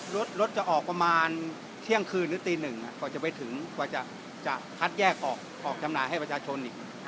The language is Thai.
รถรถจะออกประมาณเที่ยงคืนหรือตีหนึ่งกว่าจะไปถึงกว่าจะคัดแยกออกจำหน่ายให้ประชาชนอีก